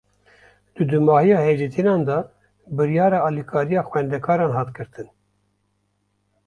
Di dûmahiya hevdîtinan de, biryara alîkariya xwendekaran hat girtin